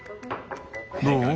どう？